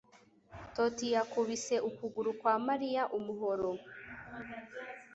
Toti yakubise ukuguru kwa Mariya umuhoro